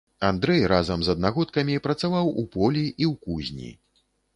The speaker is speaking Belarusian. Андрэй разам з аднагодкамі працаваў у полі і ў кузні.